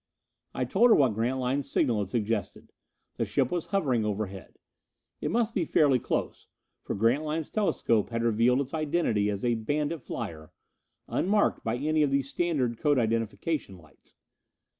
I told her what Grantline's signal had suggested: the ship was hovering overhead. It must be fairly close; for Grantline's telescope had revealed its identity as a bandit flyer, unmarked by any of the standard code identification lights.